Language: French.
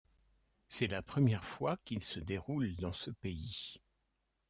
C'est la première fois qu'ils se déroulent dans ce pays.